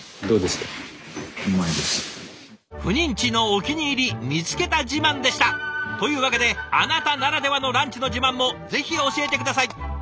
赴任地のお気に入り見つけた自慢でした！というわけであなたならではのランチの自慢もぜひ教えて下さい！